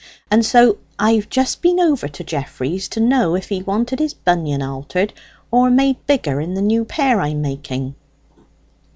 And so I've just been over to Geoffrey's, to know if he wanted his bunion altered or made bigger in the new pair I'm making."